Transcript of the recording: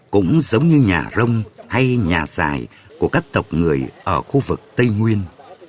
cũng giống như nhà rông hay nhà dài của các tộc người ở khu vực tây nguyên